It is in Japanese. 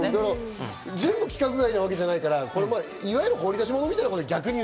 全部が規格外なわけじゃないから、いわゆる掘り出し物みたいなもの。